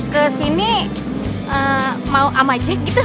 kesini mau sama jack gitu